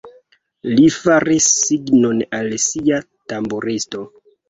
Li faris signon al sia tamburisto.